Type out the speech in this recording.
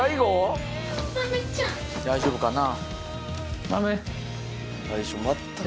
大丈夫かな。